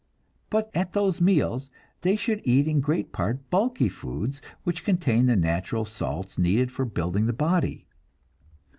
But at those meals they should eat in great part the bulky foods, which contain the natural salts needed for building the body.